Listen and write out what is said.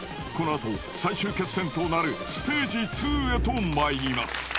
［この後最終決戦となるステージ２へと参ります］